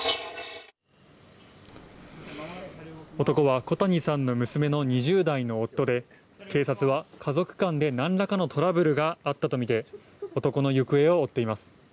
男は小谷さんの娘の２０代の夫で、警察は家族間でなんらかのトラブルがあったと見て、男の行方を追っています。